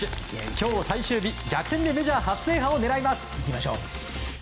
今日最終日、逆転でメジャー初制覇を狙います。